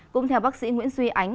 cũng theo bác sĩ nguyễn duy ánh